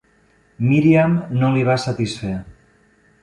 Miriam no li va satisfer.